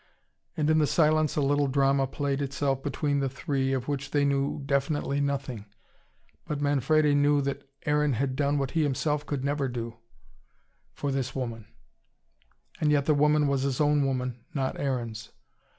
And in the silence a little drama played itself between the three, of which they knew definitely nothing. But Manfredi knew that Aaron had done what he himself never could do, for this woman. And yet the woman was his own woman, not Aaron's.